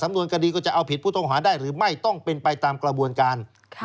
นวนคดีก็จะเอาผิดผู้ต้องหาได้หรือไม่ต้องเป็นไปตามกระบวนการ